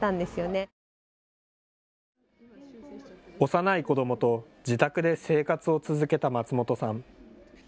幼い子どもと自宅で生活を続けた松本さん。